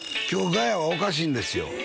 今日ガヤはおかしいんですよ